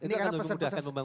itu akan memudahkan pembangunan